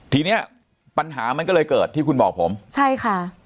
ทีเนี้ยปัญหามันก็เลยเกิดที่คุณบอกผมใช่ค่ะ